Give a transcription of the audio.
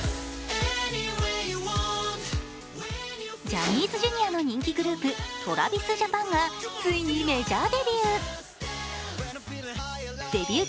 ジャニーズＪｒ．の人気グループ、ＴｒａｖｉｓＪａｐａｎがついにメジャーデビュー。